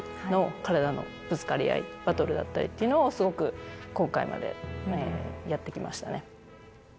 バトルだったりっていうのをすごく今回までやって来ましたね。